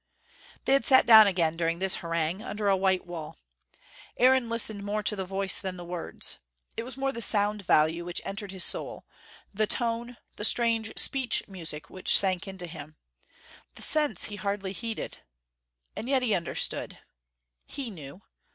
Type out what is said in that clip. They had sat again during this harangue, under a white wall. Aaron listened more to the voice than the words. It was more the sound value which entered his soul, the tone, the strange speech music which sank into him. The sense he hardly heeded. And yet he understood, he knew.